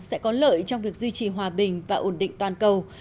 sẽ có lợi trong việc duy trì hòa bình và ổn định toàn cầu